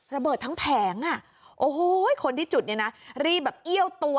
ระเบิดทั้งแผงอ่ะโอ้โหคนที่จุดเนี่ยนะรีบแบบเอี้ยวตัว